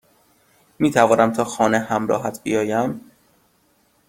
میتوانم تا خانه همراهت بیایم؟